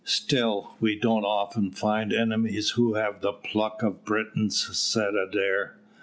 "Still we don't often find enemies who have the pluck of Britons," said Adair.